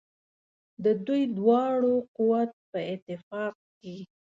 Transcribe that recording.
د دوی دواړو قوت په اتفاق کې دی.